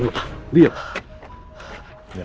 jangan bawa saya ke polisi pak